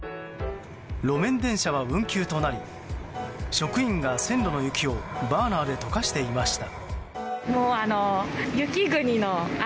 路面電車は運休となり職員が線路の雪をバーナーで解かしていました。